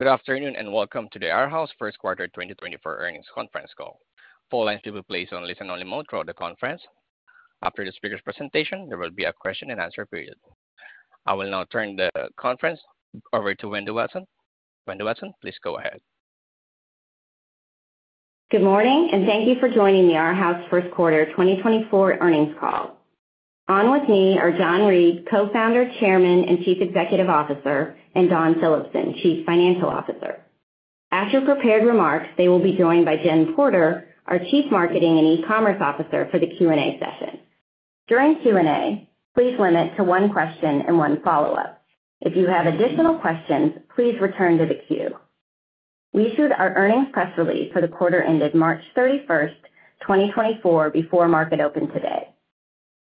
Good afternoon and welcome to the Arhaus First Quarter 2024 Earnings Conference Call. All lines will be placed on a listen-only mode throughout the conference. After the speaker's presentation, there will be a question-and-answer period. I will now turn the conference over to Wendy Watson. Wendy Watson, please go ahead. Good morning, and thank you for joining the Arhaus First Quarter 2024 Earnings Call. On with me are John Reed, Co-Founder, Chairman, and Chief Executive Officer, and Dawn Phillipson, Chief Financial Officer. After prepared remarks, they will be joined by Jen Porter, our Chief Marketing and E-Commerce Officer for the Q&A session. During Q&A, please limit to one question and one follow-up. If you have additional questions, please return to the queue. We issued our earnings press release for the quarter ended March 31, 2024, before market open today.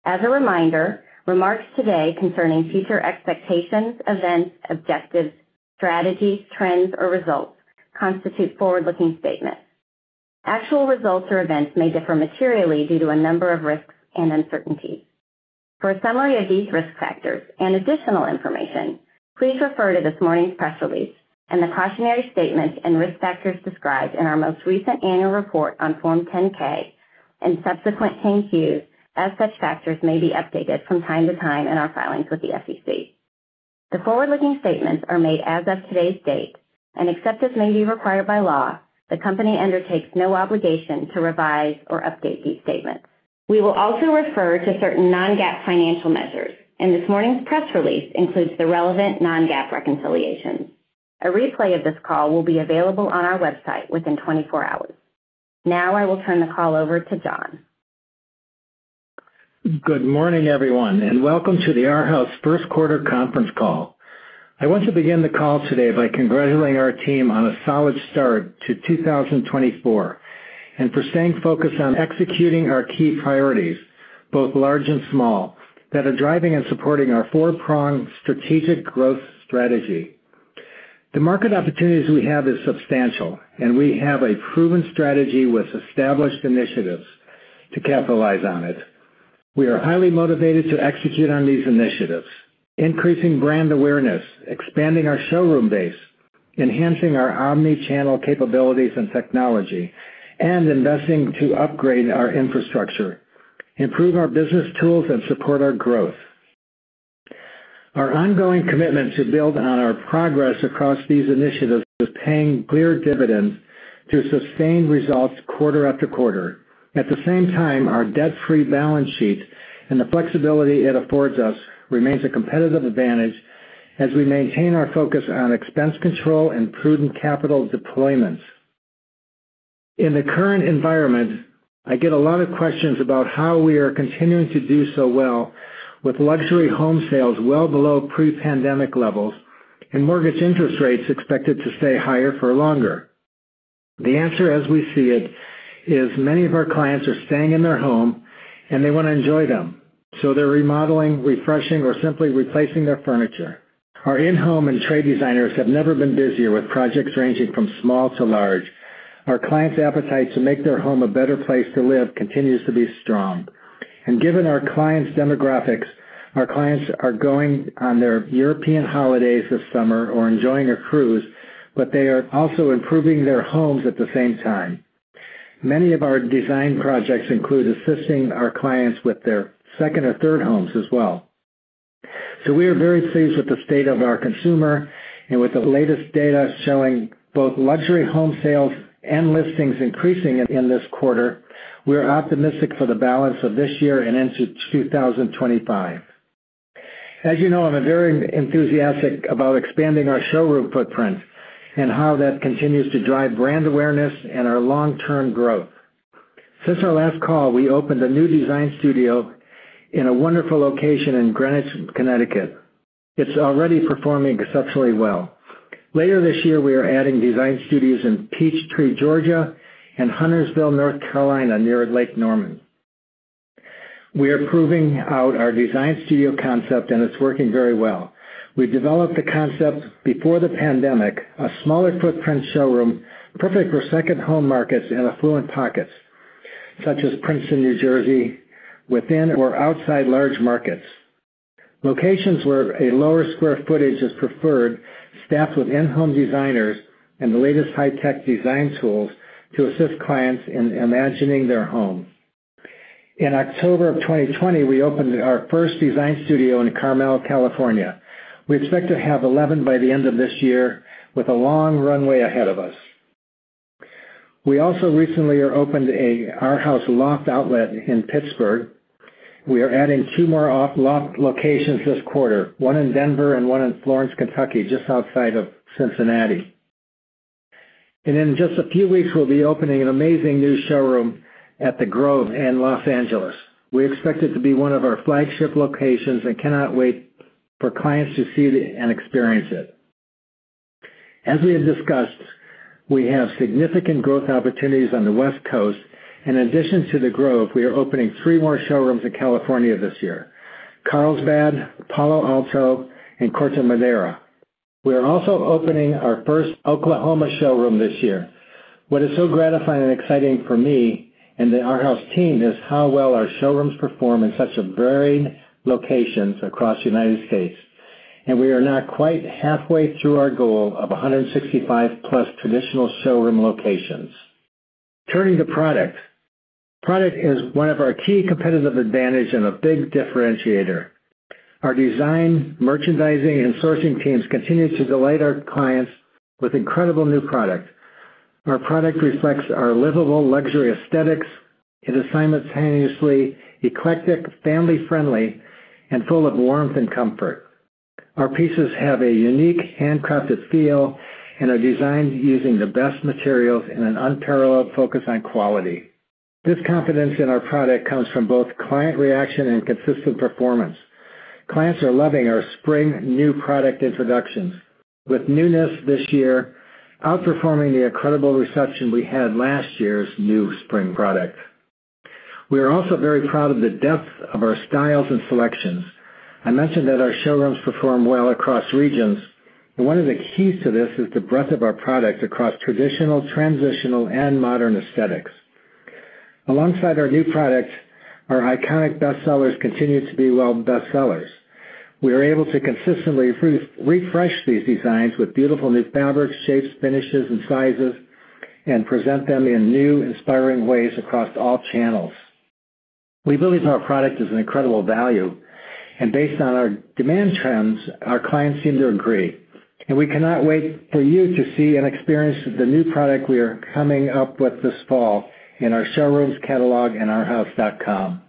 As a reminder, remarks today concerning future expectations, events, objectives, strategies, trends, or results constitute forward-looking statements. Actual results or events may differ materially due to a number of risks and uncertainties. For a summary of these risk factors and additional information, please refer to this morning's press release and the cautionary statements and risk factors described in our most recent annual report on Form 10-K and subsequent 10-Qs. As such, factors may be updated from time to time in our filings with the SEC. The forward-looking statements are made as of today's date, and except as may be required by law, the company undertakes no obligation to revise or update these statements. We will also refer to certain non-GAAP financial measures, and this morning's press release includes the relevant non-GAAP reconciliations. A replay of this call will be available on our website within 24 hours. Now I will turn the call over to John. Good morning, everyone, and welcome to the Arhaus First Quarter Conference Call. I want to begin the call today by congratulating our team on a solid start to 2024 and for staying focused on executing our key priorities, both large and small, that are driving and supporting our four-pronged strategic growth strategy. The market opportunities we have are substantial, and we have a proven strategy with established initiatives to capitalize on it. We are highly motivated to execute on these initiatives: increasing brand awareness, expanding our showroom base, enhancing our omnichannel capabilities and technology, and investing to upgrade our infrastructure, improve our business tools, and support our growth. Our ongoing commitment to build on our progress across these initiatives is paying clear dividends through sustained results quarter after quarter. At the same time, our debt-free balance sheet and the flexibility it affords us remain a competitive advantage as we maintain our focus on expense control and prudent capital deployments. In the current environment, I get a lot of questions about how we are continuing to do so well with luxury home sales well below pre-pandemic levels and mortgage interest rates expected to stay higher for longer. The answer, as we see it, is many of our clients are staying in their home, and they want to enjoy them, so they're remodeling, refreshing, or simply replacing their furniture. Our in-home and trade designers have never been busier with projects ranging from small to large. Our clients' appetite to make their home a better place to live continues to be strong. Given our clients' demographics, our clients are going on their European holidays this Summer or enjoying a cruise, but they are also improving their homes at the same time. Many of our design projects include assisting our clients with their second or third homes as well. So we are very pleased with the state of our consumer and with the latest data showing both luxury home sales and listings increasing in this quarter. We are optimistic for the balance of this year and into 2025. As you know, I'm very enthusiastic about expanding our showroom footprint and how that continues to drive brand awareness and our long-term growth. Since our last call, we opened a new design studio in a wonderful location in Greenwich, Connecticut. It's already performing exceptionally well. Later this year, we are adding design studios in Peachtree, Georgia, and Huntersville, North Carolina, near Lake Norman. We are proving out our design studio concept, and it's working very well. We developed the concept before the pandemic: a smaller footprint showroom perfect for second-home markets and affluent pockets such as Princeton, New Jersey, within or outside large markets. Locations where a lower square footage is preferred, staffed with in-home designers and the latest high-tech design tools to assist clients in imagining their home. In October of 2020, we opened our first design studio in Carmel, California. We expect to have 11 by the end of this year, with a long runway ahead of us. We also recently opened an Arhaus Loft outlet in Pittsburgh. We are adding 2 more loft locations this quarter, one in Denver and one in Florence, Kentucky, just outside of Cincinnati. In just a few weeks, we'll be opening an amazing new showroom at The Grove in Los Angeles. We expect it to be one of our flagship locations and cannot wait for clients to see it and experience it. As we have discussed, we have significant growth opportunities on the West Coast. In addition to The Grove, we are opening three more showrooms in California this year: Carlsbad, Palo Alto, and Corte Madera. We are also opening our first Oklahoma showroom this year. What is so gratifying and exciting for me and the Arhaus team is how well our showrooms perform in such varied locations across the United States. We are not quite halfway through our goal of 165+ traditional showroom locations. Turning to product, product is one of our key competitive advantages and a big differentiator. Our design, merchandising, and sourcing teams continue to delight our clients with incredible new products. Our product reflects our livable, luxury aesthetics. a sense of timelessness, eclectic, family-friendly, and full of warmth and comfort. Our pieces have a unique handcrafted feel and are designed using the best materials and an unparalleled focus on quality. This confidence in our product comes from both client reaction and consistent performance. Clients are loving our spring new product introductions with newness this year, outperforming the incredible reception we had last year's new spring product. We are also very proud of the depth of our styles and selections. I mentioned that our showrooms perform well across regions, and one of the keys to this is the breadth of our products across traditional, transitional, and modern aesthetics. Alongside our new products, our iconic bestsellers continue to be strong bestsellers. We are able to consistently refresh these designs with beautiful new fabrics, shapes, finishes, and sizes, and present them in new, inspiring ways across all channels. We believe our product is an incredible value, and based on our demand trends, our clients seem to agree. We cannot wait for you to see and experience the new product we are coming up with this fall in our showrooms catalog and arhaus.com.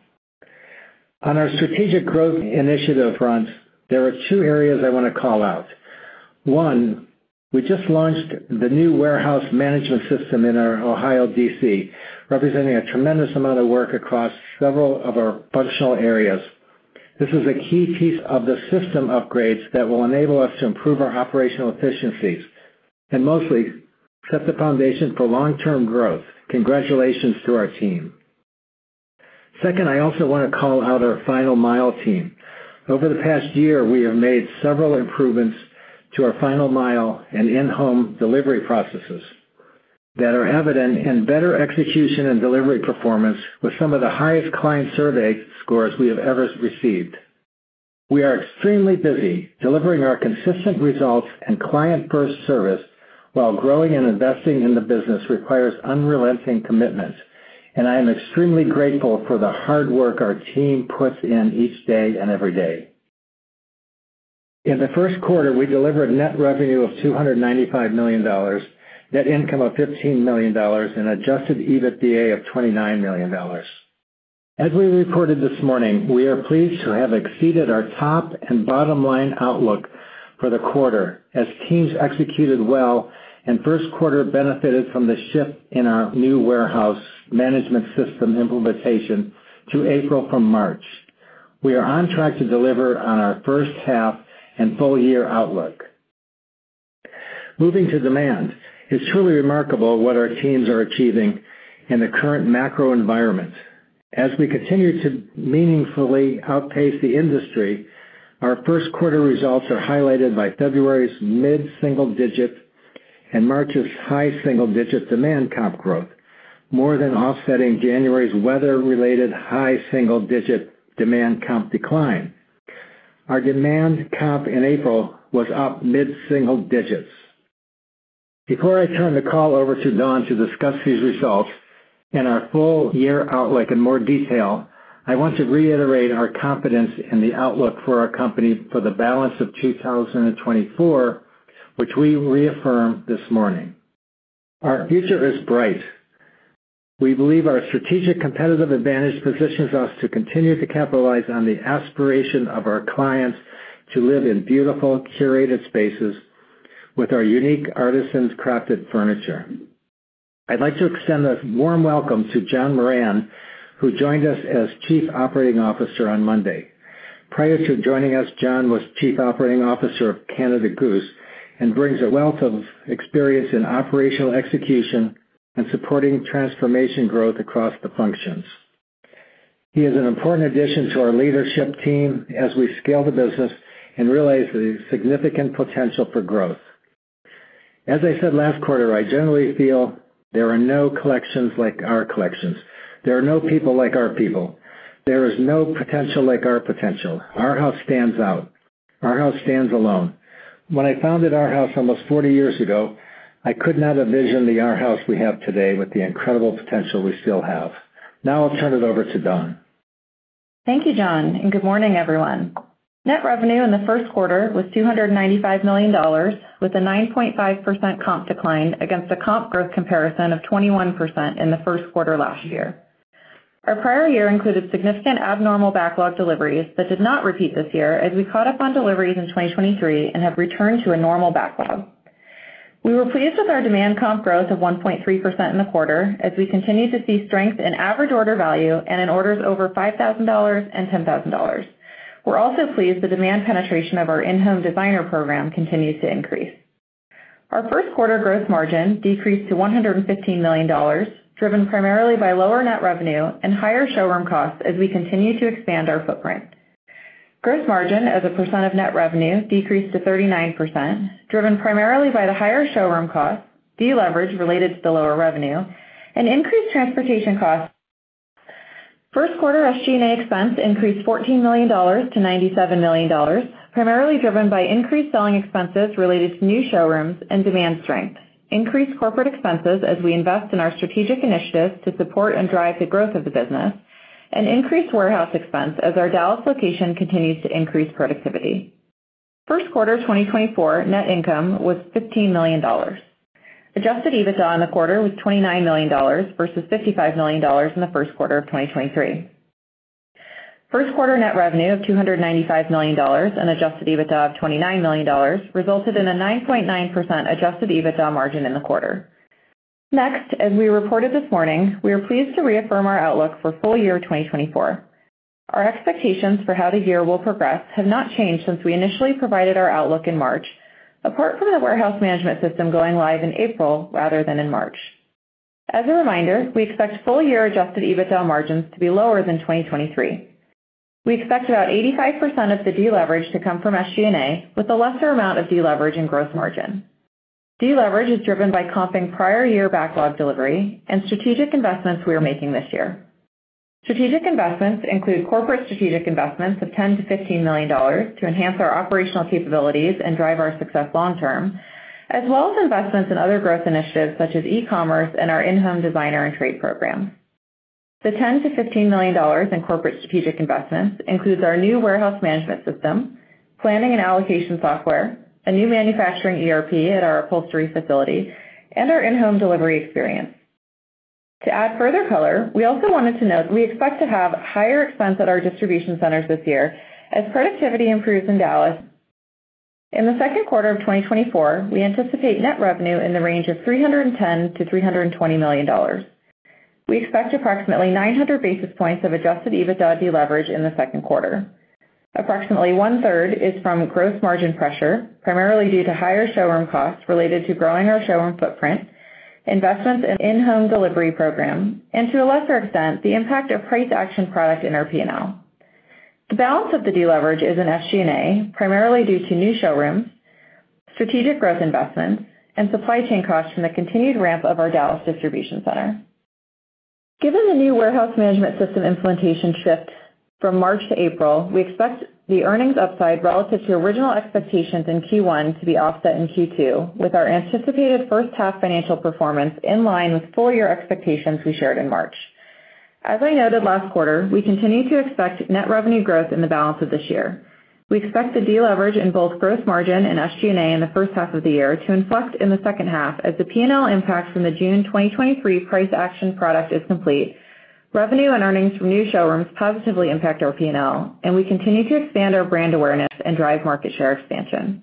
On our strategic growth initiative fronts, there are two areas I want to call out. One, we just launched the new warehouse management system in Ohio, DC, representing a tremendous amount of work across several of our functional areas. This is a key piece of the system upgrades that will enable us to improve our operational efficiencies and mostly set the foundation for long-term growth. Congratulations to our team. Second, I also want to call out our final mile team. Over the past year, we have made several improvements to our final mile and in-home delivery processes that are evident in better execution and delivery performance with some of the highest client survey scores we have ever received. We are extremely busy delivering our consistent results and client-first service while growing and investing in the business requires unrelenting commitment, and I am extremely grateful for the hard work our team puts in each day and every day. In the first quarter, we delivered net revenue of $295 million, net income of $15 million, and adjusted EBITDA of $29 million. As we reported this morning, we are pleased to have exceeded our top and bottom line outlook for the quarter as teams executed well and first quarter benefited from the shift in our new warehouse management system implementation to April from March. We are on track to deliver on our first half and full year outlook. Moving to demand, it's truly remarkable what our teams are achieving in the current macro environment. As we continue to meaningfully outpace the industry, our first quarter results are highlighted by February's mid-single-digit and March's high-single-digit demand comp growth, more than offsetting January's weather-related high-single-digit demand comp decline. Our demand comp in April was up mid-single digits. Before I turn the call over to Dawn to discuss these results and our full year outlook in more detail, I want to reiterate our confidence in the outlook for our company for the balance of 2024, which we reaffirm this morning. Our future is bright. We believe our strategic competitive advantage positions us to continue to capitalize on the aspiration of our clients to live in beautiful, curated spaces with our unique artisan-crafted furniture. I'd like to extend a warm welcome to John Moran, who joined us as Chief Operating Officer on Monday. Prior to joining us, John was Chief Operating Officer of Canada Goose and brings a wealth of experience in operational execution and supporting transformation growth across the functions. He is an important addition to our leadership team as we scale the business and realize the significant potential for growth. As I said last quarter, I generally feel there are no collections like our collections. There are no people like our people. There is no potential like our potential. Arhaus stands out. Arhaus stands alone. When I founded Arhaus almost 40 years ago, I could not envision the Arhaus we have today with the incredible potential we still have. Now I'll turn it over to Dawn. Thank you, John, and good morning, everyone. Net revenue in the first quarter was $295 million, with a 9.5% comp decline against a comp growth comparison of 21% in the first quarter last year. Our prior year included significant abnormal backlog deliveries that did not repeat this year as we caught up on deliveries in 2023 and have returned to a normal backlog. We were pleased with our demand comp growth of 1.3% in the quarter as we continue to see strength in average order value and in orders over $5,000 and $10,000. We're also pleased the demand penetration of our in-home designer program continues to increase. Our first quarter gross margin decreased to $115 million, driven primarily by lower net revenue and higher showroom costs as we continue to expand our footprint. Gross margin, as a percent of net revenue, decreased to 39%, driven primarily by the higher showroom costs, de-leverage related to the lower revenue, and increased transportation costs. First quarter SG&A expense increased $14 million to $97 million, primarily driven by increased selling expenses related to new showrooms and demand strength, increased corporate expenses as we invest in our strategic initiatives to support and drive the growth of the business, and increased warehouse expense as our Dallas location continues to increase productivity. First quarter 2024 net income was $15 million. Adjusted EBITDA on the quarter was $29 million versus $55 million in the first quarter of 2023. First quarter net revenue of $295 million and adjusted EBITDA of $29 million resulted in a 9.9% adjusted EBITDA margin in the quarter. Next, as we reported this morning, we are pleased to reaffirm our outlook for full year 2024. Our expectations for how the year will progress have not changed since we initially provided our outlook in March, apart from the warehouse management system going live in April rather than in March. As a reminder, we expect full year Adjusted EBITDA margins to be lower than 2023. We expect about 85% of the de-leverage to come from SG&A, with a lesser amount of de-leverage in gross margin. De-leverage is driven by comping prior year backlog delivery and strategic investments we are making this year. Strategic investments include corporate strategic investments of $10 million-$15 million to enhance our operational capabilities and drive our success long-term, as well as investments in other growth initiatives such as e-commerce and our in-home designer and trade program. The $10 million-$15 million in corporate strategic investments includes our new warehouse management system, planning and allocation software, a new manufacturing ERP at our upholstery facility, and our in-home delivery experience. To add further color, we also wanted to note we expect to have higher expense at our distribution centers this year as productivity improves in Dallas. In the second quarter of 2024, we anticipate net revenue in the range of $310 million-$320 million. We expect approximately 900 basis points of adjusted EBITDA de-leverage in the second quarter. Approximately 1/3 is from gross margin pressure, primarily due to higher showroom costs related to growing our showroom footprint, investments in in-home delivery program, and to a lesser extent, the impact of price action product in our P&L. The balance of the de-leverage is in SG&A, primarily due to new showrooms, strategic growth investments, and supply chain costs from the continued ramp of our Dallas distribution center. Given the new warehouse management system implementation shift from March to April, we expect the earnings upside relative to original expectations in Q1 to be offset in Q2, with our anticipated first half financial performance in line with full year expectations we shared in March. As I noted last quarter, we continue to expect net revenue growth in the balance of this year. We expect the de-leverage in both gross margin and SG&A in the first half of the year to inflect in the second half as the P&L impact from the June 2023 price action product is complete. Revenue and earnings from new showrooms positively impact our P&L, and we continue to expand our brand awareness and drive market share expansion.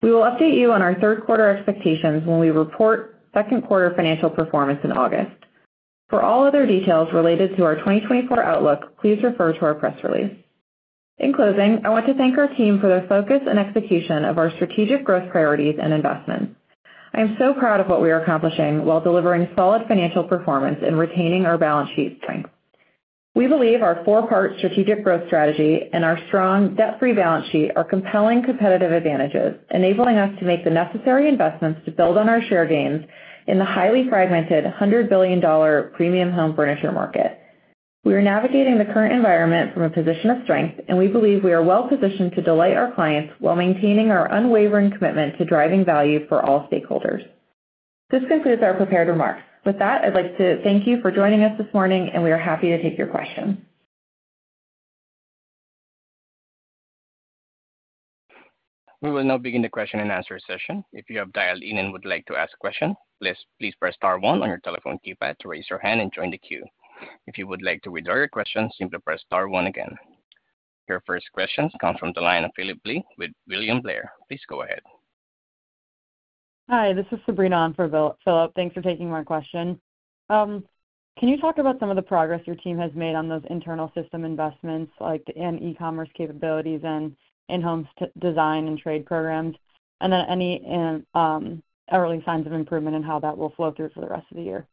We will update you on our third quarter expectations when we report second quarter financial performance in August. For all other details related to our 2024 outlook, please refer to our press release. In closing, I want to thank our team for their focus and execution of our strategic growth priorities and investments. I am so proud of what we are accomplishing while delivering solid financial performance and retaining our balance sheet strength. We believe our four-part strategic growth strategy and our strong debt-free balance sheet are compelling competitive advantages, enabling us to make the necessary investments to build on our share gains in the highly fragmented $100 billion premium home furniture market. We are navigating the current environment from a position of strength, and we believe we are well-positioned to delight our clients while maintaining our unwavering commitment to driving value for all stakeholders. This concludes our prepared remarks. With that, I'd like to thank you for joining us this morning, and we are happy to take your questions. We will now begin the question and answer session. If you have dialed in and would like to ask a question, please press star one on your telephone keypad to raise your hand and join the queue. If you would like to withdraw your question, simply press star one again. Your first questions come from the line of Phillip Blee with William Blair. Please go ahead. Hi, this is Sabrina on for Phillip. Thanks for taking my question. Can you talk about some of the progress your team has made on those internal system investments, like the e-commerce capabilities and in-home design and trade programs, and then any early signs of improvement in how that will flow through for the rest of the year?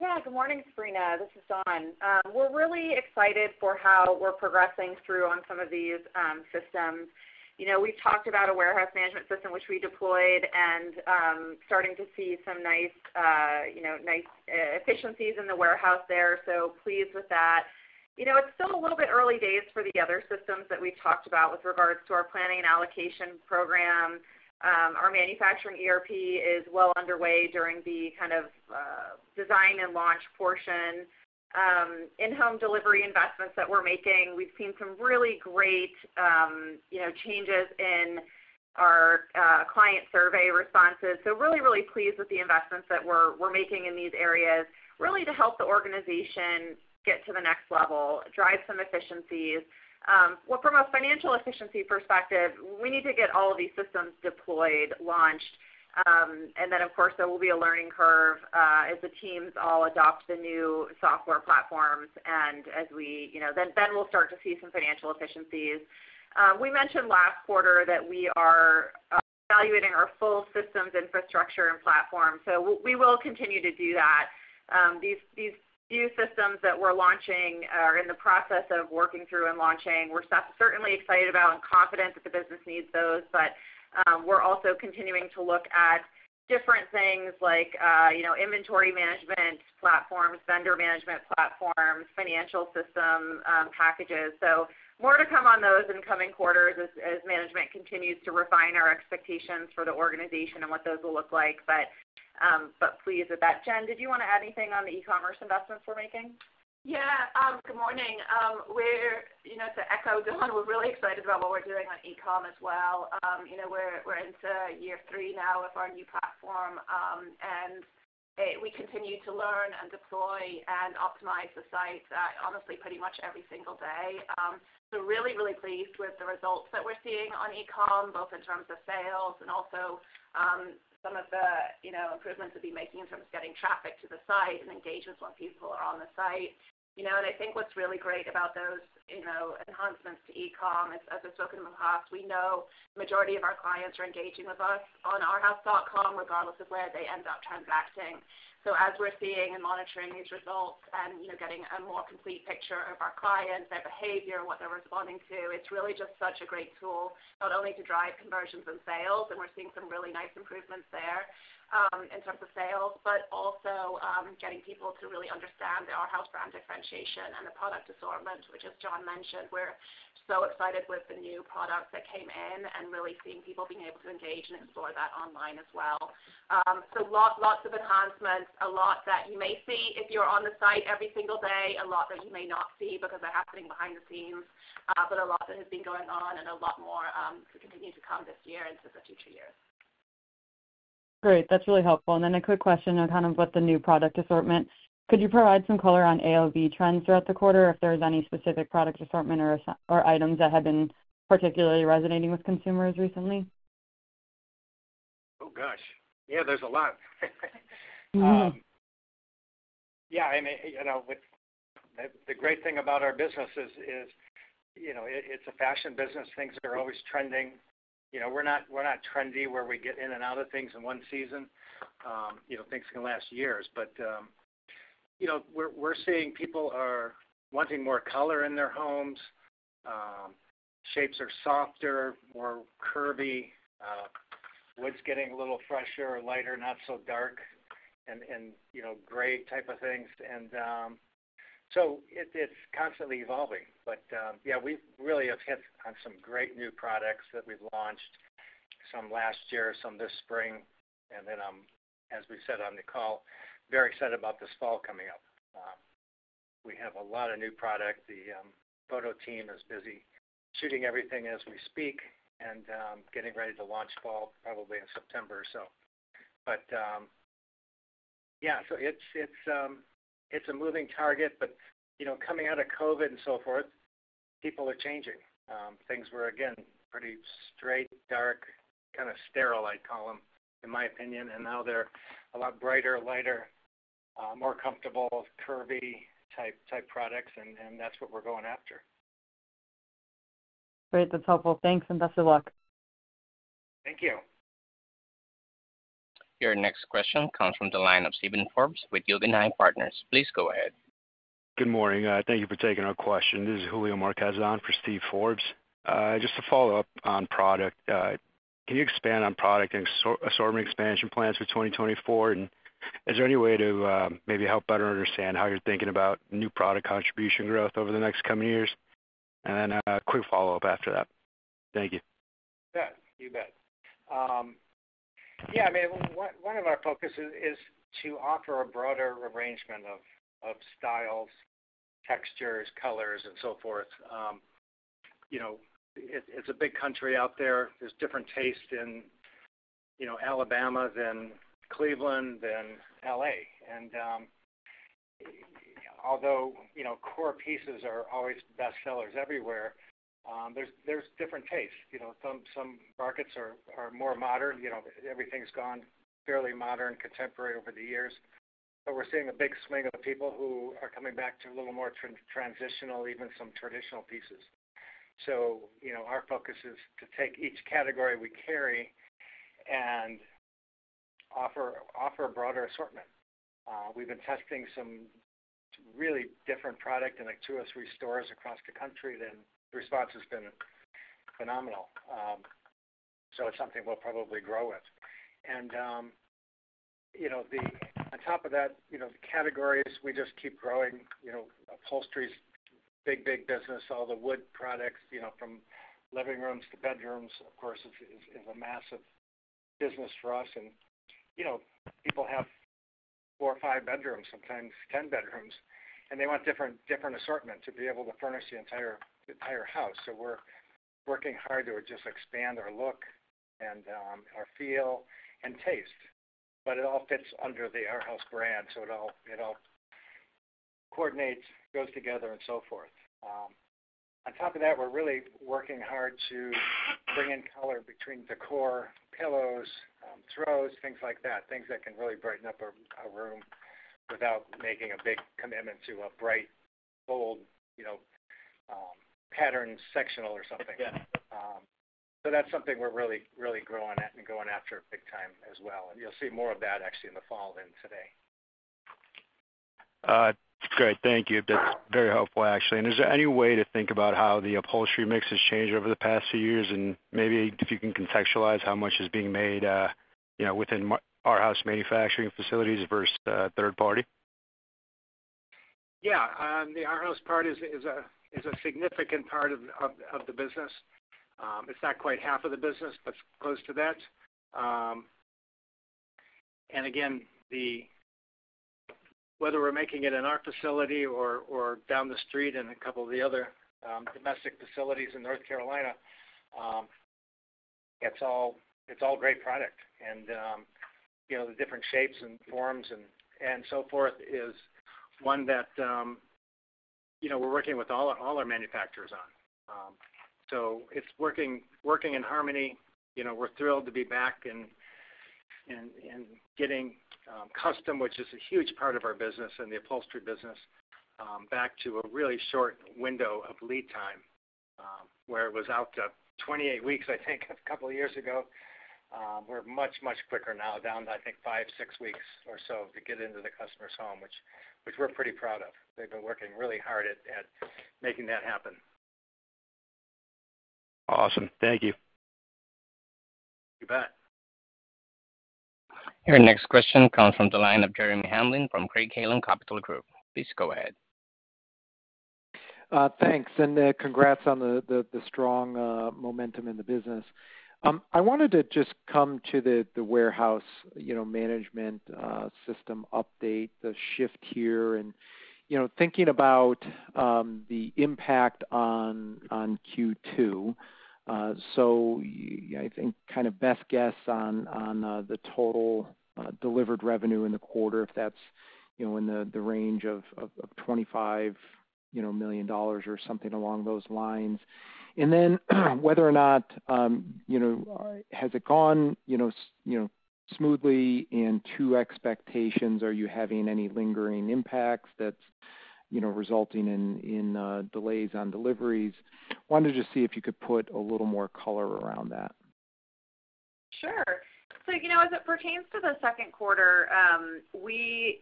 Yeah, good morning, Sabrina. This is Dawn. We're really excited for how we're progressing through on some of these systems. We've talked about a warehouse management system, which we deployed, and starting to see some nice efficiencies in the warehouse there, so pleased with that. It's still a little bit early days for the other systems that we talked about with regards to our planning and allocation program. Our manufacturing ERP is well underway during the kind of design and launch portion. In-home delivery investments that we're making, we've seen some really great changes in our client survey responses. So really, really pleased with the investments that we're making in these areas, really to help the organization get to the next level, drive some efficiencies. Well, from a financial efficiency perspective, we need to get all of these systems deployed, launched, and then, of course, there will be a learning curve as the teams all adopt the new software platforms and as we then we'll start to see some financial efficiencies. We mentioned last quarter that we are evaluating our full systems, infrastructure, and platform, so we will continue to do that. These few systems that we're launching are in the process of working through and launching. We're certainly excited about and confident that the business needs those, but we're also continuing to look at different things like inventory management platforms, vendor management platforms, financial system packages. So more to come on those in coming quarters as management continues to refine our expectations for the organization and what those will look like, but pleased with that. Jen, did you want to add anything on the e-commerce investments we're making? Yeah, good morning. To echo Dawn, we're really excited about what we're doing on e-com as well. We're into year three now with our new platform, and we continue to learn and deploy and optimize the site honestly pretty much every single day. So really, really pleased with the results that we're seeing on e-com, both in terms of sales and also some of the improvements we'll be making in terms of getting traffic to the site and engagements when people are on the site. And I think what's really great about those enhancements to e-com is, as I've spoken in the past, we know the majority of our clients are engaging with us on arhaus.com regardless of where they end up transacting. So as we're seeing and monitoring these results and getting a more complete picture of our clients, their behavior, what they're responding to, it's really just such a great tool not only to drive conversions and sales, and we're seeing some really nice improvements there in terms of sales, but also getting people to really understand the Arhaus brand differentiation and the product assortment, which as John mentioned, we're so excited with the new products that came in and really seeing people being able to engage and explore that online as well. So lots of enhancements, a lot that you may see if you're on the site every single day, a lot that you may not see because they're happening behind the scenes, but a lot that has been going on and a lot more to continue to come this year and into the future years. Great. That's really helpful. And then a quick question on kind of what the new product assortment. Could you provide some color on AOV trends throughout the quarter if there's any specific product assortment or items that have been particularly resonating with consumers recently? Oh gosh. Yeah, there's a lot. Yeah, I mean, the great thing about our business is it's a fashion business. Things are always trending. We're not trendy where we get in and out of things in one season. Things can last years, but we're seeing people are wanting more color in their homes. Shapes are softer, more curvy. Wood's getting a little fresher, lighter, not so dark, and gray type of things. And so it's constantly evolving. But yeah, we really have hit on some great new products that we've launched, some last year, some this spring, and then, as we said on the call, very excited about this fall coming up. We have a lot of new product. The photo team is busy shooting everything as we speak and getting ready to launch fall probably in September or so. But yeah, so it's a moving target, but coming out of COVID and so forth, people are changing. Things were, again, pretty straight, dark, kind of sterile, I'd call them, in my opinion, and now they're a lot brighter, lighter, more comfortable, curvy type products, and that's what we're going after. Great. That's helpful. Thanks, and best of luck. Thank you. Your next question comes from the line of Steven Forbes with Guggenheim Partners. Please go ahead. Good morning. Thank you for taking our question. This is Julio Marquez for Steven Forbes. Just a follow up on product. Can you expand on product and assortment expansion plans for 2024, and is there any way to maybe help better understand how you're thinking about new product contribution growth over the next coming years? And then a quick follow up after that. Thank you. Yes, you bet. Yeah, I mean, one of our focuses is to offer a broader arrangement of styles, textures, colors, and so forth. It's a big country out there. There's different tastes in Alabama than Cleveland than L.A. And although core pieces are always bestsellers everywhere, there's different tastes. Some markets are more modern. Everything's gone fairly modern, contemporary over the years, but we're seeing a big swing of people who are coming back to a little more transitional, even some traditional pieces. So our focus is to take each category we carry and offer a broader assortment. We've been testing some really different product in like two or three stores across the country, and the response has been phenomenal. So it's something we'll probably grow with. And on top of that, the categories, we just keep growing. Upholstery's a big, big business. All the wood products, from living rooms to bedrooms, of course, is a massive business for us. And people have 4 or 5 bedrooms, sometimes 10 bedrooms, and they want different assortment to be able to furnish the entire house. So we're working hard to just expand our look and our feel and taste, but it all fits under the Arhaus brand, so it all coordinates, goes together, and so forth. On top of that, we're really working hard to bring in color between decor, pillows, throws, things like that, things that can really brighten up a room without making a big commitment to a bright, bold pattern, sectional, or something. So that's something we're really, really growing at and going after big time as well. And you'll see more of that, actually, in the fall than today. That's great. Thank you. That's very helpful, actually. And is there any way to think about how the upholstery mix has changed over the past few years? And maybe if you can contextualize how much is being made within Arhaus manufacturing facilities versus third-party? Yeah. The Arhaus part is a significant part of the business. It's not quite half of the business, but it's close to that. And again, whether we're making it in our facility or down the street in a couple of the other domestic facilities in North Carolina, it's all great product. And the different shapes and forms and so forth is one that we're working with all our manufacturers on. So it's working in harmony. We're thrilled to be back in getting custom, which is a huge part of our business and the upholstery business, back to a really short window of lead time where it was out to 28 weeks, I think, a couple of years ago. We're much, much quicker now, down to, I think, 5, 6 weeks or so to get into the customer's home, which we're pretty proud of. They've been working really hard at making that happen. Awesome. Thank you. You bet. Your next question comes from the line of Jeremy Hamblin from Craig-Hallum Capital Group. Please go ahead. Thanks, and congrats on the strong momentum in the business. I wanted to just come to the warehouse management system update, the shift here, and thinking about the impact on Q2. So I think kind of best guess on the total delivered revenue in the quarter, if that's in the range of $25 million or something along those lines. And then whether or not has it gone smoothly and to expectations? Are you having any lingering impacts that's resulting in delays on deliveries? Wanted to see if you could put a little more color around that. Sure. So as it pertains to the second quarter, we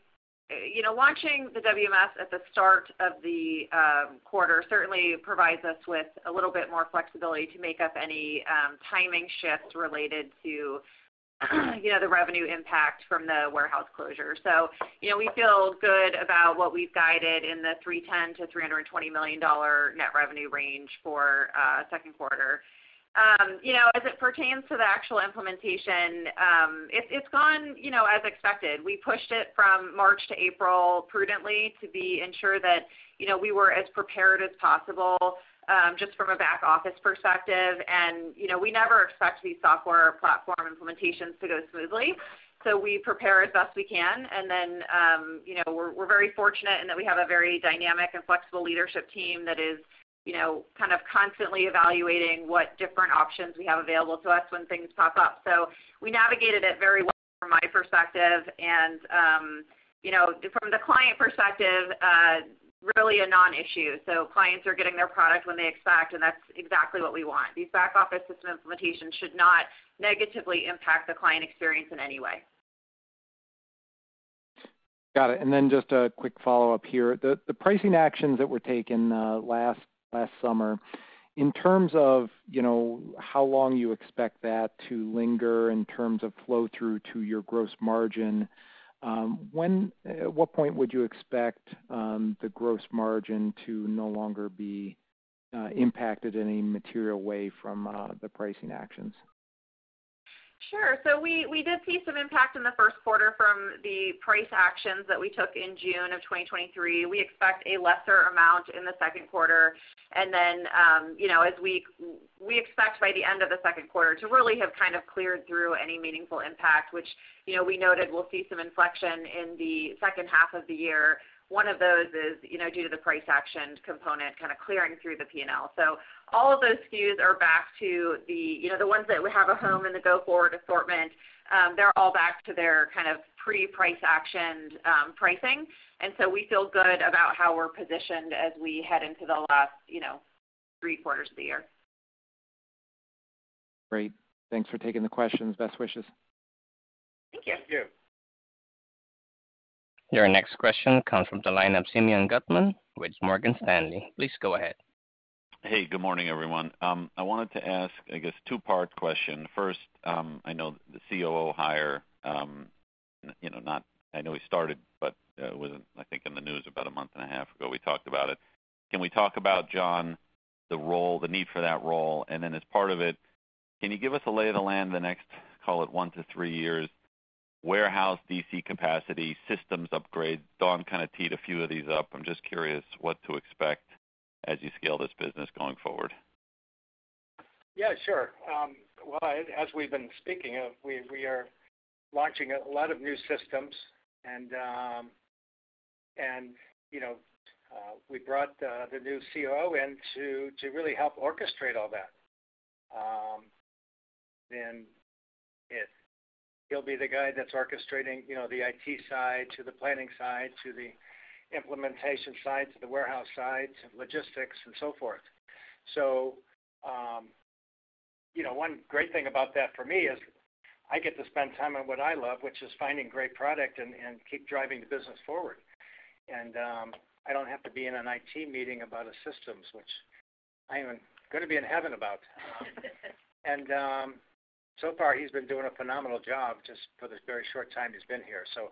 launched the WMS at the start of the quarter certainly provides us with a little bit more flexibility to make up any timing shifts related to the revenue impact from the warehouse closure. So we feel good about what we've guided in the $310 million-$320 million net revenue range for second quarter. As it pertains to the actual implementation, it's gone as expected. We pushed it from March to April prudently to ensure that we were as prepared as possible just from a back-office perspective. And then we're very fortunate in that we have a very dynamic and flexible leadership team that is kind of constantly evaluating what different options we have available to us when things pop up. So we navigated it very well from my perspective. From the client perspective, really a non-issue. Clients are getting their product when they expect, and that's exactly what we want. These back-office system implementations should not negatively impact the client experience in any way. Got it. Then just a quick follow up here. The pricing actions that were taken last Summer, in terms of how long you expect that to linger in terms of flow-through to your gross margin, at what point would you expect the gross margin to no longer be impacted in any material way from the pricing actions? Sure. So we did see some impact in the first quarter from the price actions that we took in June of 2023. We expect a lesser amount in the second quarter. And then as we expect by the end of the second quarter to really have kind of cleared through any meaningful impact, which we noted we'll see some inflection in the second half of the year. One of those is due to the price action component kind of clearing through the P&L. So all of those SKUs are back to the ones that have a home in the go-forward assortment. They're all back to their kind of pre-price actioned pricing. And so we feel good about how we're positioned as we head into the last three quarters of the year. Great. Thanks for taking the questions. Best wishes. Thank you. Thank you. Your next question comes from the line of Simeon Gutman with Morgan Stanley. Please go ahead. Hey, good morning, everyone. I wanted to ask, I guess, a two-part question. First, I know the COO hire not I know he started, but it was, I think, in the news about a month and a half ago. We talked about it. Can we talk about, John, the need for that role? And then as part of it, can you give us a lay of the land the next, call it, 1-3 years, warehouse DC capacity, systems upgrades? Dawn kind of teed a few of these up. I'm just curious what to expect as you scale this business going forward. Yeah, sure. Well, as we've been speaking of, we are launching a lot of new systems. We brought the new COO in to really help orchestrate all that. Then he'll be the guy that's orchestrating the IT side to the planning side to the implementation side to the warehouse side to logistics and so forth. So one great thing about that for me is I get to spend time on what I love, which is finding great product and keep driving the business forward. I don't have to be in an IT meeting about systems, which I am going to be in heaven about. So far, he's been doing a phenomenal job just for this very short time he's been here. So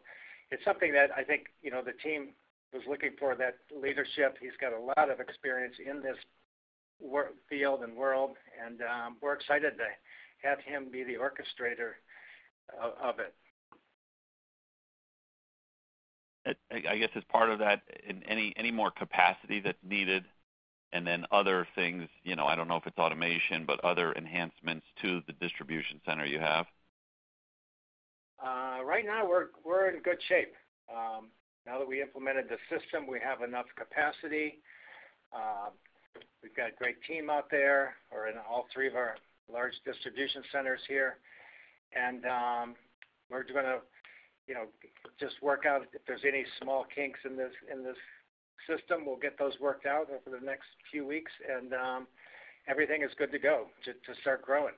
it's something that I think the team was looking for, that leadership. He's got a lot of experience in this field and world, and we're excited to have him be the orchestrator of it. I guess as part of that, any more capacity that's needed? And then other things? I don't know if it's automation, but other enhancements to the distribution center you have. Right now, we're in good shape. Now that we implemented the system, we have enough capacity. We've got a great team out there in all three of our large distribution centers here. We're going to just work out if there's any small kinks in this system. We'll get those worked out over the next few weeks, and everything is good to go to start growing.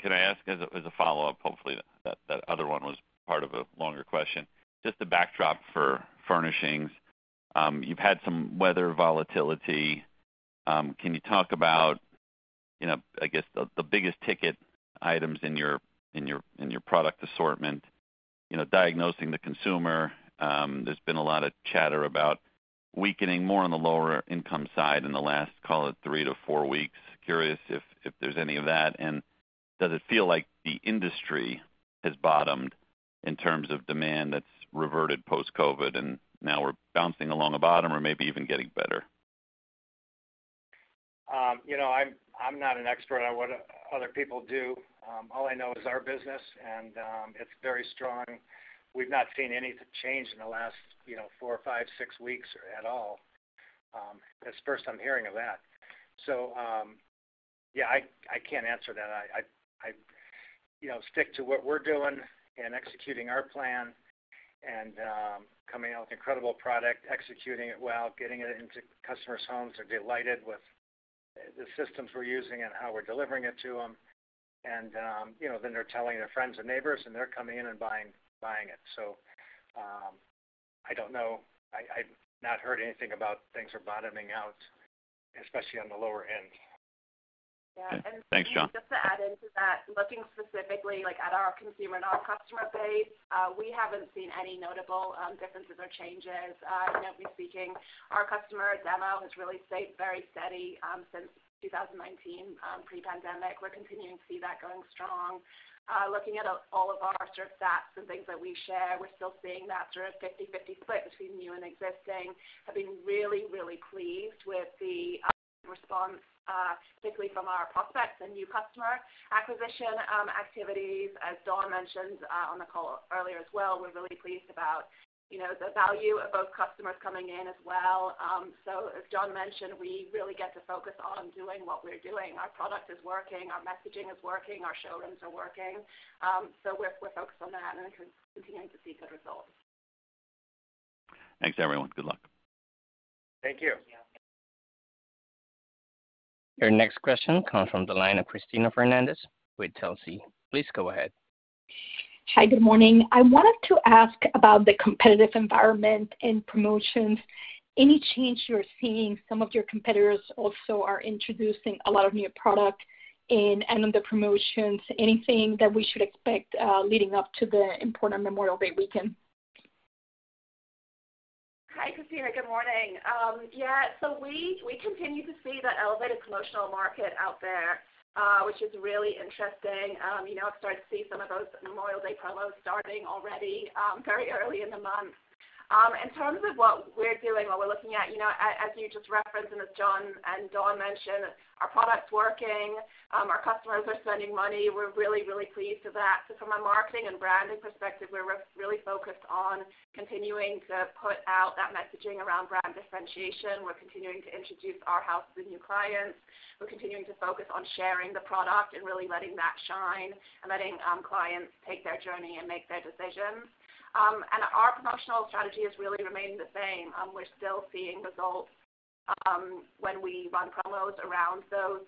Can I ask as a follow-up? Hopefully, that other one was part of a longer question. Just the backdrop for furnishings, you've had some weather volatility. Can you talk about, I guess, the biggest ticket items in your product assortment, diagnosing the consumer? There's been a lot of chatter about weakening more on the lower-income side in the last, call it, three to four weeks. Curious if there's any of that. Does it feel like the industry has bottomed in terms of demand that's reverted post-COVID, and now we're bouncing along a bottom or maybe even getting better? I'm not an expert. I watch what other people do. All I know is our business, and it's very strong. We've not seen any change in the last 4 or 5, 6 weeks at all. That's first I'm hearing of that. So yeah, I can't answer that. I stick to what we're doing and executing our plan and coming out with incredible product, executing it well, getting it into customers' homes. They're delighted with the systems we're using and how we're delivering it to them. And then they're telling their friends and neighbors, and they're coming in and buying it. So I don't know. I've not heard anything about things are bottoming out, especially on the lower end. Yeah. And just to add into that, looking specifically at our consumer and our customer base, we haven't seen any notable differences or changes. Our customer demo has really stayed very steady since 2019, pre-pandemic. We're continuing to see that going strong. Looking at all of our sort of stats and things that we share, we're still seeing that sort of 50/50 split between new and existing. We have been really, really pleased with the response, particularly from our prospects and new customer acquisition activities. As Dawn mentioned on the call earlier as well, we're really pleased about the value of both customers coming in as well. So as Dawn mentioned, we really get to focus on doing what we're doing. Our product is working. Our messaging is working. Our showrooms are working. So we're focused on that and continuing to see good results. Thanks, everyone. Good luck. Thank you. Your next question comes from the line of Cristina Fernandez with Telsey. Please go ahead. Hi. Good morning. I wanted to ask about the competitive environment and promotions. Any change you're seeing? Some of your competitors also are introducing a lot of new products in and on the promotions. Anything that we should expect leading up to the important Memorial Day weekend? Hi, Cristina. Good morning. Yeah. So we continue to see that elevated promotional market out there, which is really interesting. I've started to see some of those Memorial Day promos starting already very early in the month. In terms of what we're doing, what we're looking at, as you just referenced and as John and Dawn mentioned, our product's working. Our customers are spending money. We're really, really pleased with that. So from a marketing and branding perspective, we're really focused on continuing to put out that messaging around brand differentiation. We're continuing to introduce our house to new clients. We're continuing to focus on sharing the product and really letting that shine and letting clients take their journey and make their decisions. And our promotional strategy has really remained the same. We're still seeing results when we run promos around those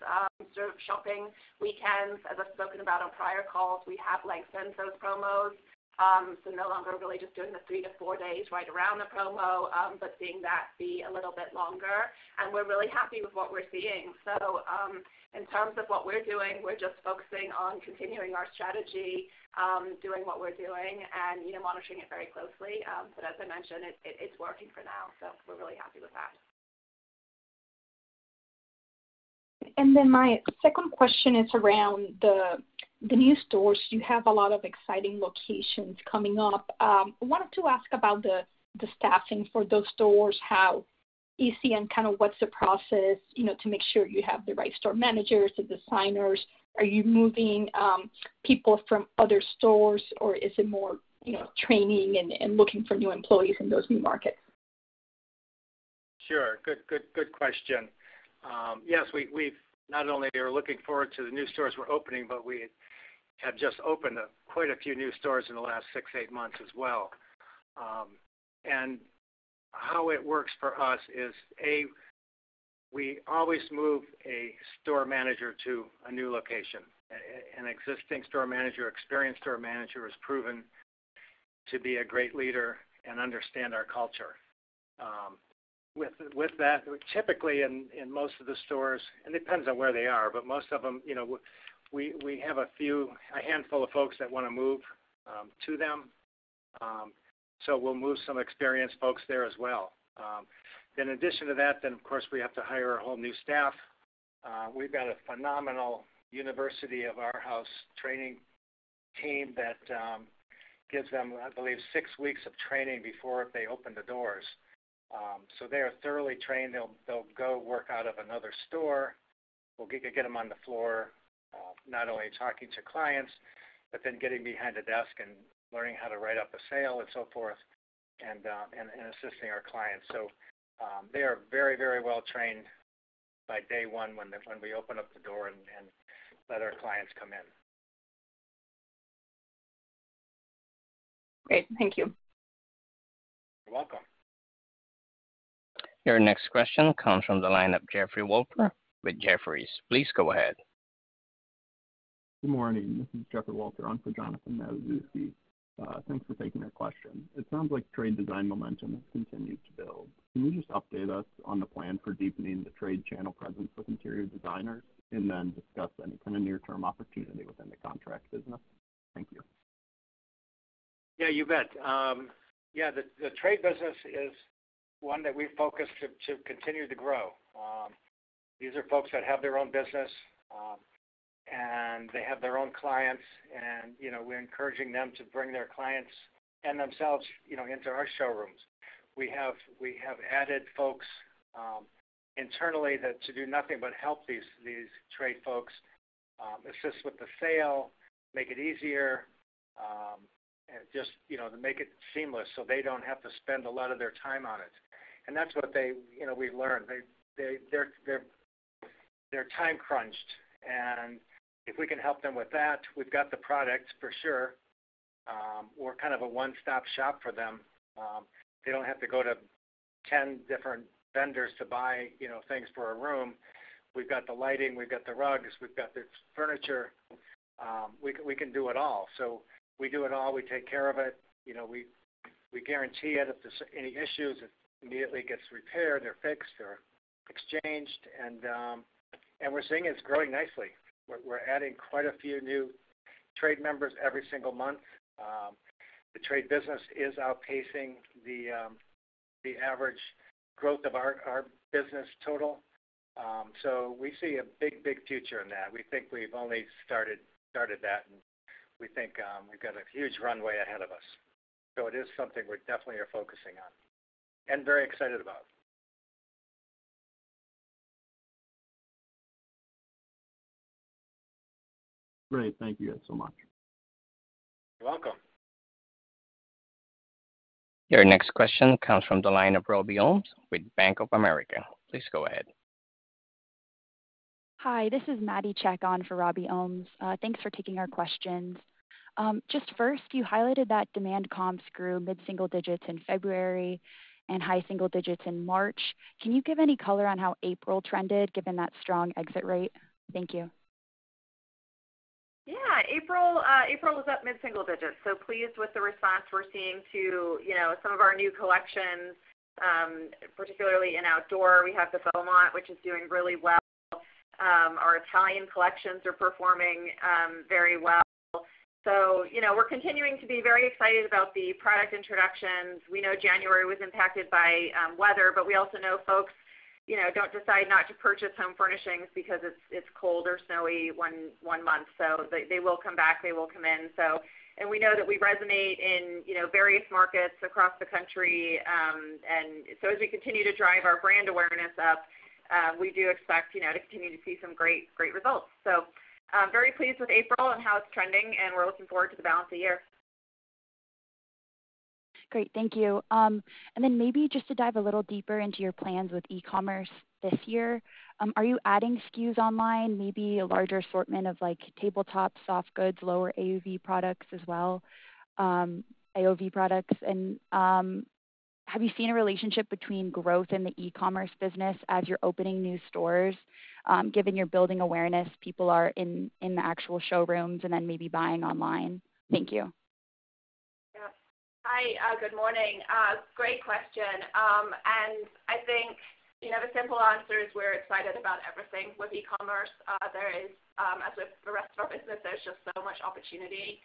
sort of shopping weekends. As I've spoken about on prior calls, we have lengthened those promos. So no longer really just doing the 3-4 days right around the promo, but seeing that be a little bit longer. And we're really happy with what we're seeing. So in terms of what we're doing, we're just focusing on continuing our strategy, doing what we're doing, and monitoring it very closely. But as I mentioned, it's working for now, so we're really happy with that. Then my second question is around the new stores. You have a lot of exciting locations coming up. I wanted to ask about the staffing for those stores, how easy, and kind of what's the process to make sure you have the right store managers, the designers? Are you moving people from other stores, or is it more training and looking for new employees in those new markets? Sure. Good question. Yes. Not only are we looking forward to the new stores we're opening, but we have just opened quite a few new stores in the last 6, 8 months as well. And how it works for us is, A, we always move a store manager to a new location. An existing store manager, experienced store manager, is proven to be a great leader and understand our culture. With that, typically in most of the stores and it depends on where they are, but most of them, we have a handful of folks that want to move to them. So we'll move some experienced folks there as well. Then in addition to that, then, of course, we have to hire a whole new staff. We've got a phenomenal University of Arhaus training team that gives them, I believe, 6 weeks of training before they open the doors. So they are thoroughly trained. They'll go work out of another store. We'll get them on the floor, not only talking to clients, but then getting behind the desk and learning how to write up a sale and so forth and assisting our clients. So they are very, very well trained by day one when we open up the door and let our clients come in. Great. Thank you. You're welcome. Your next question comes from the line of Jeffrey Walter with Jefferies. Please go ahead. Good morning. This is Jeffrey Walter. I'm for Jonathan Matuszewski. Thanks for taking that question. It sounds like trade design momentum has continued to build. Can you just update us on the plan for deepening the trade channel presence with interior designers and then discuss any kind of near-term opportunity within the contract business? Thank you. Yeah, you bet. Yeah, the trade business is one that we've focused to continue to grow. These are folks that have their own business, and they have their own clients. We're encouraging them to bring their clients and themselves into our showrooms. We have added folks internally to do nothing but help these trade folks, assist with the sale, make it easier, just to make it seamless so they don't have to spend a lot of their time on it. That's what we've learned. They're time-crunched. If we can help them with that, we've got the products, for sure. We're kind of a one-stop shop for them. They don't have to go to 10 different vendors to buy things for a room. We've got the lighting. We've got the rugs. We've got the furniture. We can do it all. We do it all. We take care of it. We guarantee it. If there's any issues, it immediately gets repaired or fixed or exchanged. And what we're seeing is growing nicely. We're adding quite a few new trade members every single month. The trade business is outpacing the average growth of our business total. So we see a big, big future in that. We think we've only started that, and we think we've got a huge runway ahead of us. So it is something we definitely are focusing on and very excited about. Great. Thank you guys so much. You're welcome. Your next question comes from the line of Robbie Ohmes with Bank of America. Please go ahead. Hi. This is Maddie Chekhon in for Robbie Ohmes. Thanks for taking our questions. Just first, you highlighted that demand comps grew mid-single digits in February and high single digits in March. Can you give any color on how April trended given that strong exit rate? Thank you. Yeah. April was up mid-single digits. So pleased with the response we're seeing to some of our new collections, particularly in outdoor. We have the Beaumont, which is doing really well. Our Italian collections are performing very well. So we're continuing to be very excited about the product introductions. We know January was impacted by weather, but we also know folks don't decide not to purchase home furnishings because it's cold or snowy one month. So they will come back. They will come in. And we know that we resonate in various markets across the country. And so as we continue to drive our brand awareness up, we do expect to continue to see some great results. So very pleased with April and how it's trending, and we're looking forward to the balance of year. Great. Thank you. Then maybe just to dive a little deeper into your plans with e-commerce this year, are you adding SKUs online, maybe a larger assortment of tabletops, soft goods, lower AOV products as well, AOV products? Have you seen a relationship between growth in the e-commerce business as you're opening new stores? Given your building awareness, people are in the actual showrooms and then maybe buying online. Thank you. Yes. Hi. Good morning. Great question. I think the simple answer is we're excited about everything with e-commerce. As with the rest of our business, there's just so much opportunity.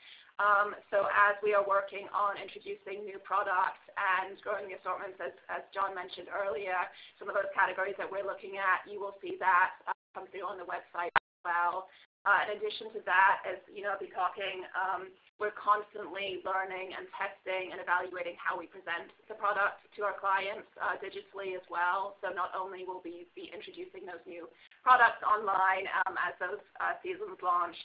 So as we are working on introducing new products and growing the assortments, as John mentioned earlier, some of those categories that we're looking at, you will see that come through on the website as well. In addition to that, as I'll be talking, we're constantly learning and testing and evaluating how we present the product to our clients digitally as well. So not only will we be introducing those new products online as those seasons launch,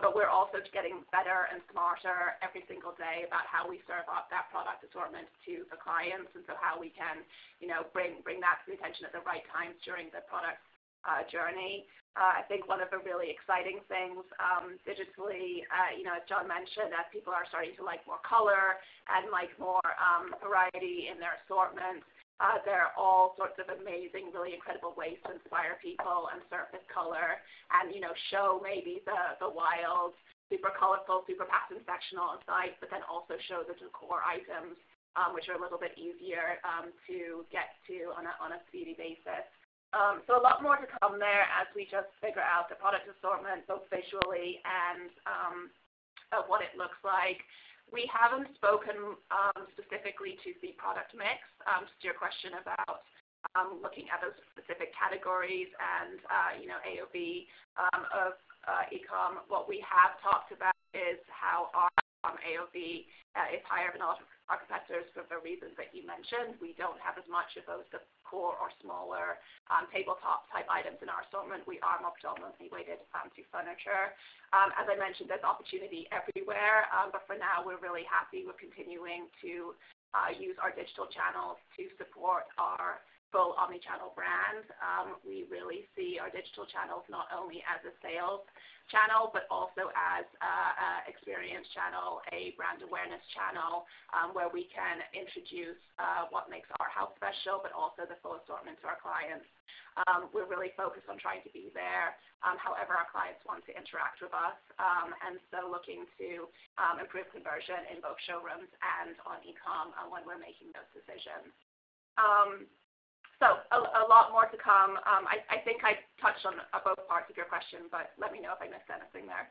but we're also getting better and smarter every single day about how we serve up that product assortment to the clients and so how we can bring that to the attention at the right times during the product journey. I think one of the really exciting things digitally, as John mentioned, as people are starting to like more color and like more variety in their assortments, there are all sorts of amazing, really incredible ways to inspire people and surface color and show maybe the wild, super colorful, super past-inspectional insights, but then also show the decor items, which are a little bit easier to get to on a speedy basis. So a lot more to come there as we just figure out the product assortment both visually and what it looks like. We haven't spoken specifically to the product mix. Just your question about looking at those specific categories and AOV of e-com, what we have talked about is how our AOV is higher than our competitors for the reasons that you mentioned. We don't have as much of those the core or smaller tabletop-type items in our assortment. We are more predominantly weighted to furniture. As I mentioned, there's opportunity everywhere. For now, we're really happy. We're continuing to use our digital channels to support our full omnichannel brand. We really see our digital channels not only as a sales channel, but also as an experience channel, a brand awareness channel where we can introduce what makes our house special, but also the full assortment to our clients. We're really focused on trying to be there, however, our clients want to interact with us. So looking to improve conversion in both showrooms and on e-com when we're making those decisions. A lot more to come. I think I touched on both parts of your question, but let me know if I missed anything there.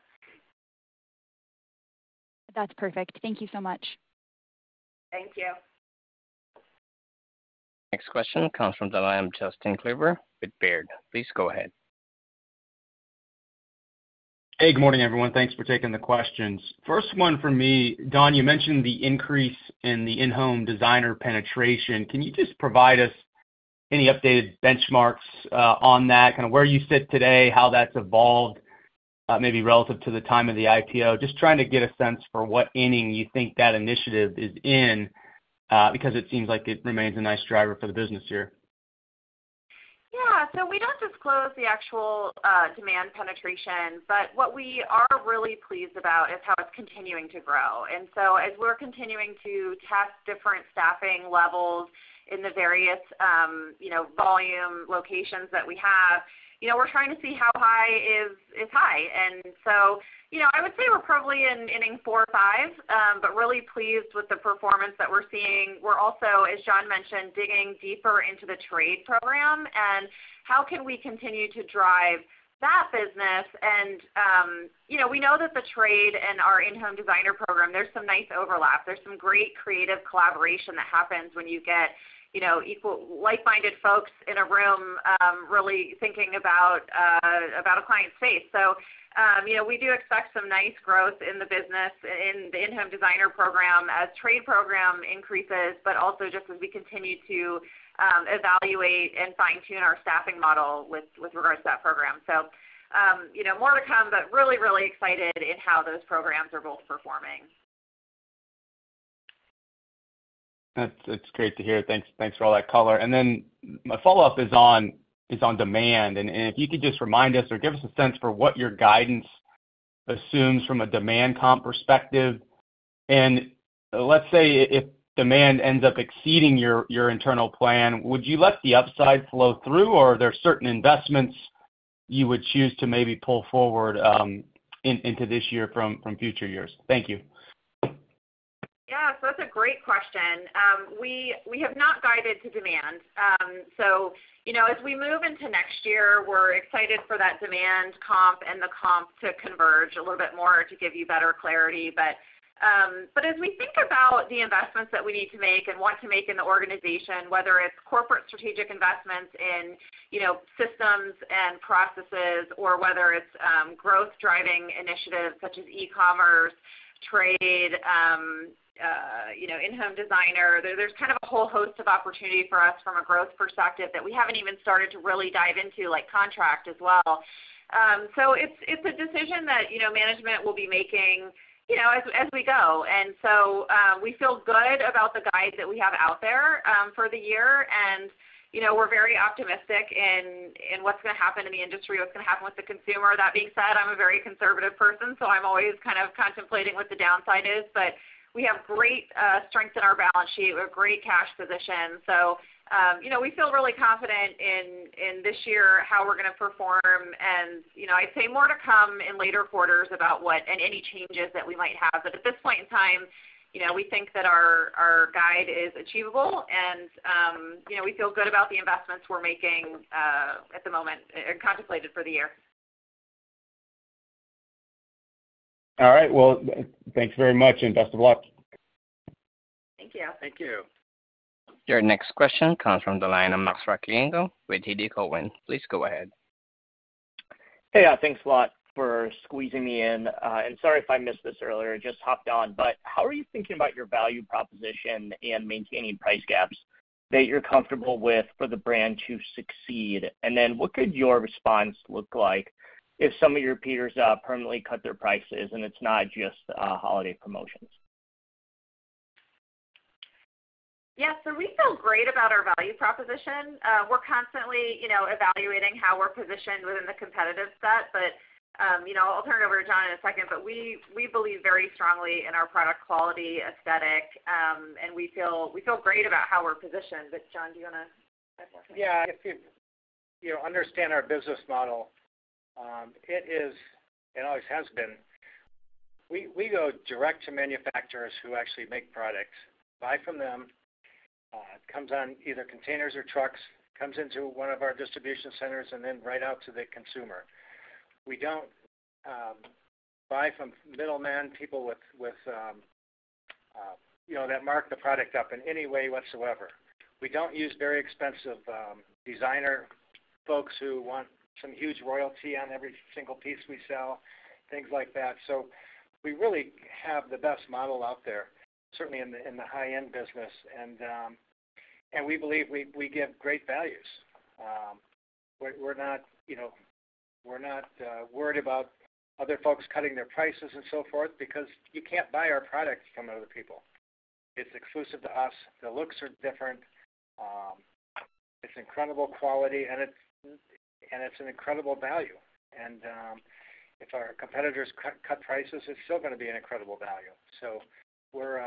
That's perfect. Thank you so much. Thank you. Next question comes from Justin Kleber with Baird. Please go ahead. Hey. Good morning, everyone. Thanks for taking the questions. First one for me, Dawn, you mentioned the increase in the in-home designer penetration. Can you just provide us any updated benchmarks on that, kind of where you sit today, how that's evolved, maybe relative to the time of the IPO? Just trying to get a sense for what inning you think that initiative is in because it seems like it remains a nice driver for the business here. Yeah. So we don't disclose the actual demand penetration, but what we are really pleased about is how it's continuing to grow. And so as we're continuing to test different staffing levels in the various volume locations that we have, we're trying to see how high is high. And so I would say we're probably in inning four or five, but really pleased with the performance that we're seeing. We're also, as John mentioned, digging deeper into the trade program and how can we continue to drive that business. And we know that the trade and our in-home designer program, there's some nice overlap. There's some great creative collaboration that happens when you get like-minded folks in a room really thinking about a client's space. So we do expect some nice growth in the business, in the in-home designer program as trade program increases, but also just as we continue to evaluate and fine-tune our staffing model with regards to that program. So more to come, but really, really excited in how those programs are both performing. That's great to hear. Thanks for all that color. And then my follow-up is on demand. And if you could just remind us or give us a sense for what your guidance assumes from a demand comp perspective. And let's say if demand ends up exceeding your internal plan, would you let the upside flow through, or are there certain investments you would choose to maybe pull forward into this year from future years? Thank you. Yeah. So that's a great question. We have not guided to demand. So as we move into next year, we're excited for that demand comp and the comp to converge a little bit more to give you better clarity. But as we think about the investments that we need to make and want to make in the organization, whether it's corporate strategic investments in systems and processes or whether it's growth-driving initiatives such as e-commerce, trade, in-home designer, there's kind of a whole host of opportunity for us from a growth perspective that we haven't even started to really dive into like contract as well. So it's a decision that management will be making as we go. And so we feel good about the guide that we have out there for the year. And we're very optimistic in what's going to happen in the industry, what's going to happen with the consumer. That being said, I'm a very conservative person, so I'm always kind of contemplating what the downside is. But we have great strength in our balance sheet, a great cash position. So we feel really confident in this year, how we're going to perform. And I'd say more to come in later quarters about what and any changes that we might have. But at this point in time, we think that our guide is achievable, and we feel good about the investments we're making at the moment and contemplated for the year. All right. Well, thanks very much, and best of luck. Thank you. Thank you. Your next question comes from the line of Max Rakhlenko with TD Cowen. Please go ahead. Hey. Thanks a lot for squeezing me in. Sorry if I missed this earlier. Just hopped on. How are you thinking about your value proposition and maintaining price gaps that you're comfortable with for the brand to succeed? Then what could your response look like if some of your repeaters permanently cut their prices and it's not just holiday promotions? Yeah. So we feel great about our value proposition. We're constantly evaluating how we're positioned within the competitive set. But I'll turn it over to John in a second. But we believe very strongly in our product quality, aesthetic, and we feel great about how we're positioned. But John, do you want to add more to that? If you understand our business model, it is and always has been, we go direct to manufacturers who actually make products, buy from them, comes on either containers or trucks, comes into one of our distribution centers, and then right out to the consumer. We don't buy from middlemen, people with that mark the product up in any way whatsoever. We don't use very expensive designer folks who want some huge royalty on every single piece we sell, things like that. So we really have the best model out there, certainly in the high-end business. And we believe we give great values. We're not worried about other folks cutting their prices and so forth because you can't buy our products from other people. It's exclusive to us. The looks are different. It's incredible quality, and it's an incredible value. If our competitors cut prices, it's still going to be an incredible value. So we're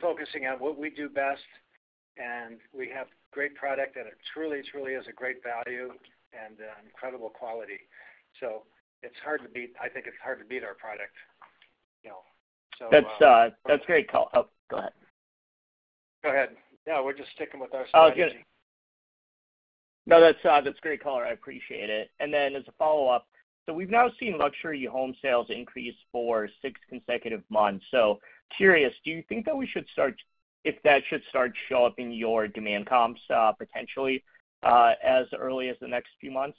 focusing on what we do best, and we have great product, and it truly, truly is a great value and incredible quality. So it's hard to beat. I think it's hard to beat our product. So. That's great call. Oh, go ahead. Go ahead. Yeah. We're just sticking with our strategy. Oh, I was going to. No, that's great color. I appreciate it. And then as a follow-up, so we've now seen luxury home sales increase for six consecutive months. So curious, do you think that we should start if that should start show up in your demand comps potentially as early as the next few months?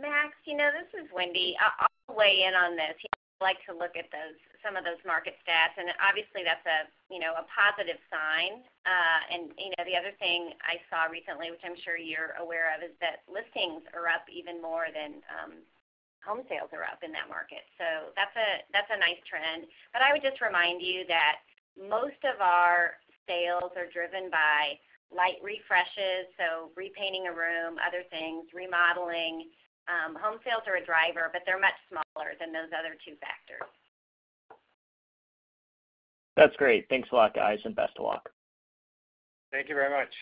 Max, this is Wendy. I'll weigh in on this. I like to look at some of those market stats. Obviously, that's a positive sign. The other thing I saw recently, which I'm sure you're aware of, is that listings are up even more than home sales are up in that market. That's a nice trend. I would just remind you that most of our sales are driven by light refreshes, so repainting a room, other things, remodeling. Home sales are a driver, but they're much smaller than those other two factors. That's great. Thanks a lot, guys, and best of luck. Thank you very much.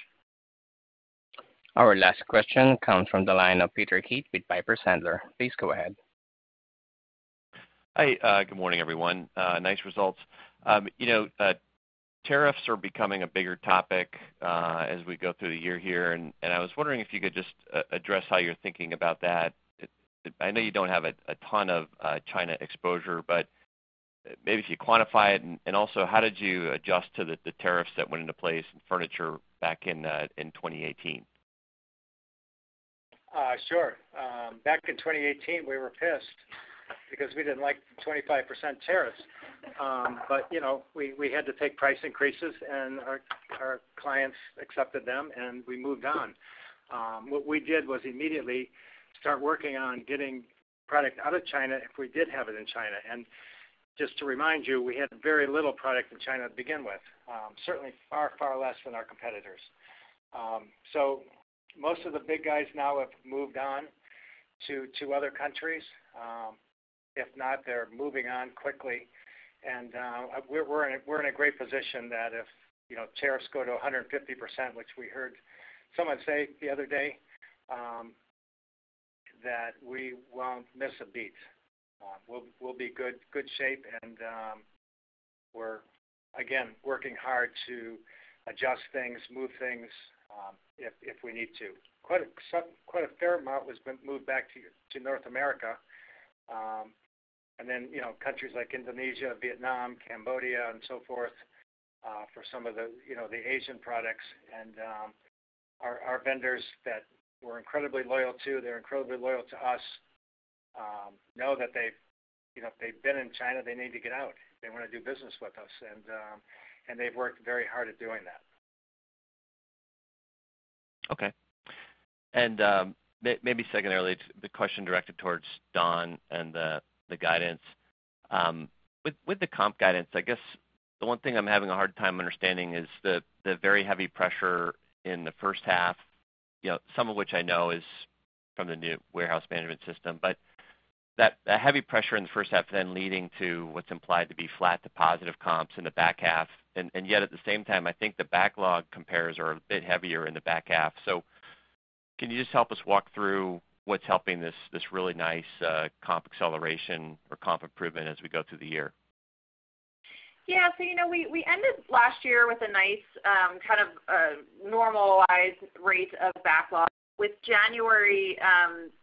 Our last question comes from the line of Peter Keith with Piper Sandler. Please go ahead. Hi. Good morning, everyone. Nice results. Tariffs are becoming a bigger topic as we go through the year here. I was wondering if you could just address how you're thinking about that. I know you don't have a ton of China exposure, but maybe if you quantify it. Also, how did you adjust to the tariffs that went into place in furniture back in 2018? Sure. Back in 2018, we were pissed because we didn't like the 25% tariffs. But we had to take price increases, and our clients accepted them, and we moved on. What we did was immediately start working on getting product out of China if we did have it in China. And just to remind you, we had very little product in China to begin with, certainly far, far less than our competitors. So most of the big guys now have moved on to other countries. If not, they're moving on quickly. And we're in a great position that if tariffs go to 150%, which we heard someone say the other day, that we won't miss a beat. We'll be good shape. And we're, again, working hard to adjust things, move things if we need to. Quite a fair amount was moved back to North America and then countries like Indonesia, Vietnam, Cambodia, and so forth for some of the Asian products. Our vendors that we're incredibly loyal to, they're incredibly loyal to us, know that if they've been in China, they need to get out. They want to do business with us. They've worked very hard at doing that. Okay. Maybe secondarily, the question directed towards Dawn and the guidance. With the comp guidance, I guess the one thing I'm having a hard time understanding is the very heavy pressure in the first half, some of which I know is from the new warehouse management system. But that heavy pressure in the first half then leading to what's implied to be flat to positive comps in the back half. And yet, at the same time, I think the backlog comps are a bit heavier in the back half. So can you just help us walk through what's helping this really nice comp acceleration or comp improvement as we go through the year? Yeah. So we ended last year with a nice kind of normalized rate of backlog. With January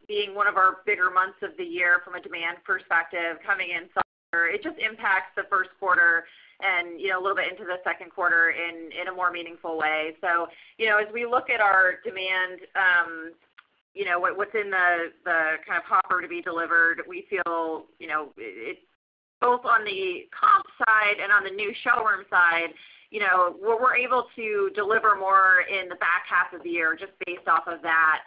being one of our bigger months of the year from a demand perspective, coming in Summer, it just impacts the first quarter and a little bit into the second quarter in a more meaningful way. So as we look at our demand, what's in the kind of hopper to be delivered, we feel both on the comp side and on the new showroom side, we're able to deliver more in the back half of the year just based off of that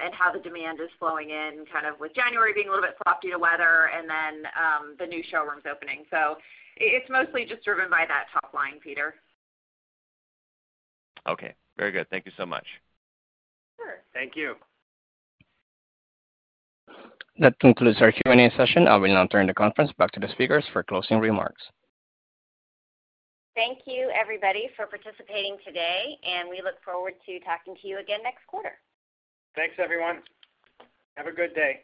and how the demand is flowing in, kind of with January being a little bit soft due to weather and then the new showrooms opening. So it's mostly just driven by that top line, Peter. Okay. Very good. Thank you so much. Sure. Thank you. That concludes our Q&A session. I will now turn the conference back to the speakers for closing remarks. Thank you, everybody, for participating today. We look forward to talking to you again next quarter. Thanks, everyone. Have a good day.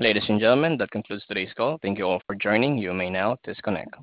Ladies and gentlemen, that concludes today's call. Thank you all for joining. You may now disconnect.